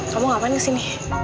kamu ngapain di sini